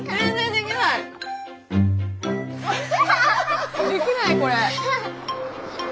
できないこれ。